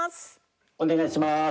お願いします。